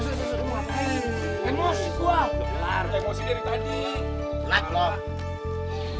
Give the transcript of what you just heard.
emosi dari tadi